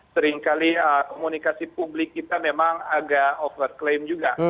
seringkali komunikasi publik kita memang agak over claim juga